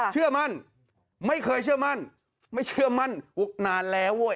เชื่อมั่นไม่เคยเชื่อมั่นไม่เชื่อมั่นอุ๊กนานแล้วเว้ย